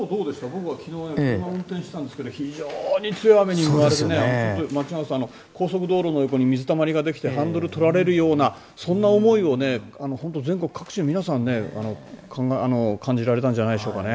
僕は昨日車を運転していたんですけど非常に強い雨に見舞われて高速道路の横に水たまりができてハンドルが取られるようなそんな思いを本当に全国各地で皆さん感じられたんじゃないでしょうか。